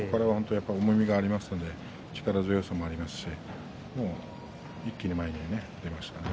重みがありますね力強さもありますし一気に前に出ましたね。